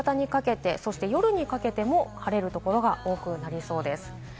夕方にかけて、そして夜にかけても晴れる所が多くなりそうです。